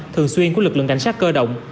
thường xuyên của lực lượng cảnh sát cơ động